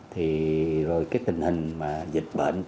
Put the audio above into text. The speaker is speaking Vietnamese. thì rồi cái tình hình mà dịch bệnh